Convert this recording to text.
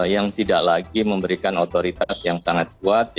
yang tidak lagi memberikan otoritas yang sangat kuat